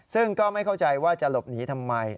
ซึ่งก็ไม่เข้าใจว่าจะหลบหนีทำไม